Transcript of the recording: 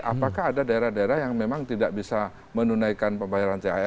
apakah ada daerah daerah yang memang tidak bisa menunaikan pembayaran cahaya